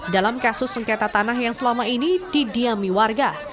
dalam kasus sengketa tanah yang selama ini didiami warga